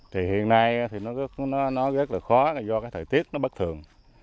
thì hiện nay nó rất là khó do thời tiết bất thường